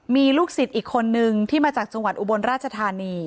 มีลูกศรีอีกคนนึงที่มาจากส่วนอุบลราชธานี